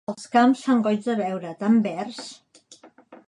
Els camps fan goig de veure, tan verds!